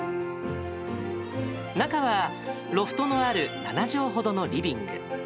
中はロフトのある７畳ほどのリビング。